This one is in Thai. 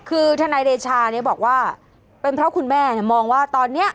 คือทนายเดชาเนี่ยบอกว่าเป็นเพราะคุณแม่มองว่าตอนนี้